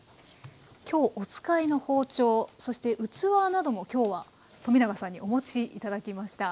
今日お使いの包丁そして器なども今日は冨永さんにお持ち頂きました。